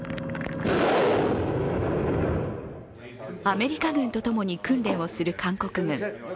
アメリカ軍と共に訓練をする韓国軍。